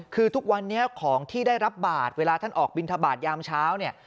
คือทุกวันนี้ของที่ได้รับบาทเวลาท่านออกบินทบาทยามเช้าเนี่ย